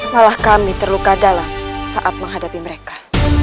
malah kami terluka dalam saat menghadapi mereka